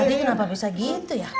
uh tadi kenapa bisa gitu ya